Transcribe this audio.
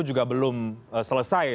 juga belum selesai